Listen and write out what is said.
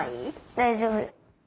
大丈夫。